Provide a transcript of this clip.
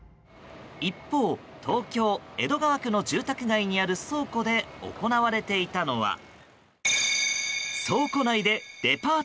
一方、東京・江戸川区の住宅街にある倉庫で行われていたのは。